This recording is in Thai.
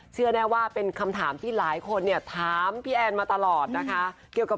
เชื่อแน่ว่าเป็นคำถามที่หลายคนอะถามพี่แอนมาตลอดนะคะ